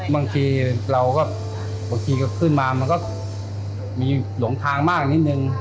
บางทีเราก็บางทีก็ขึ้นมามันก็มีหลงทางมากนิดนึง